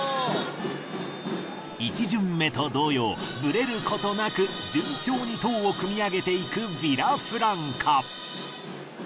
１巡目と同様ぶれることなく順調に塔を組みあげていくヴィラフランカ。